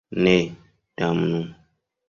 Ne, damnu.